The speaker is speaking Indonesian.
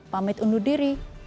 pamit undur diri